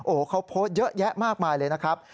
โอ้โหเขาโพสต์เยอะแยะมากมายเลยนะครับ